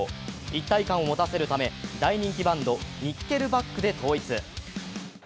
一体感を持たせるため、大人気バンド、ニッケルバックで統一。